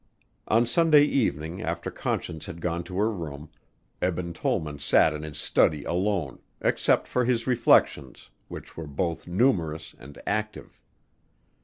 On Sunday evening after Conscience had gone to her room, Eben Tollman sat in his study alone, except for his reflections, which were both numerous and active.